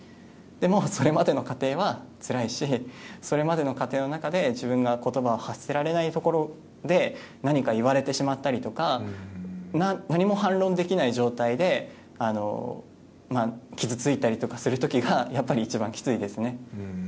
でも、それまでの過程はつらいしそれまでの過程の中で自分が言葉を発せられないところで何か言われてしまったりとか何も反論できない状況で傷ついたりとかする時がやっぱり一番きついですね。